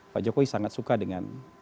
pak jokowi sangat suka dengan